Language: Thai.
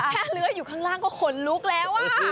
เลื้อยอยู่ข้างล่างก็ขนลุกแล้ว